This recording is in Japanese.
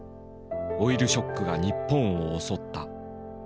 オイルショックが日本を襲った。